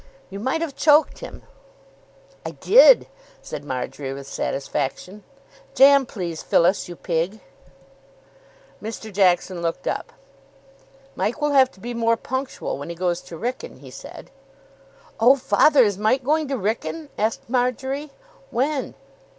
"You might have choked him." "I did," said Marjory with satisfaction. "Jam, please, Phyllis, you pig." Mr. Jackson looked up. "Mike will have to be more punctual when he goes to Wrykyn," he said. "Oh, father, is Mike going to Wrykyn?" asked Marjory. "When?"